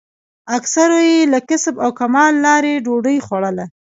اکثرو یې له کسب او کمال لارې ډوډۍ خوړله.